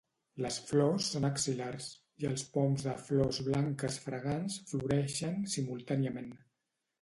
Les flors són axil·lars, i els poms de flors blanques fragants floreixen simultàniament.